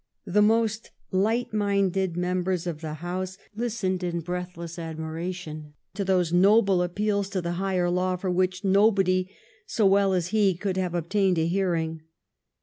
The most light minded members of the House listened in o 194 THE STORY OF GLADSTONE'S LIFE breathless admiration to those noble appeals to the higher law for which nobody so well as he could have obtained a hearing.